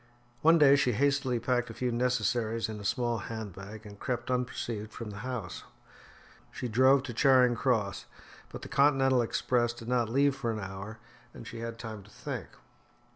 One day she hastily packed a few necessaries in a small hand bag and crept unperceived from the house. She drove to Charing Cross, but the Continental Express did not leave for an hour, and she had time to think.